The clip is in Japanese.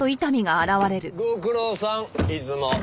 ご苦労さん出雲。